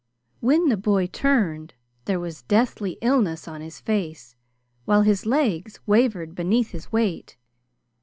When the boy turned, there was deathly illness on his face, while his legs wavered beneath his weight.